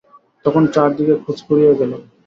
তখন চারিদিকে খোঁজ পড়িয়া গেল।